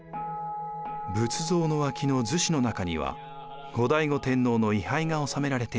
仏像の脇のずしの中には後醍醐天皇の位はいがおさめられています。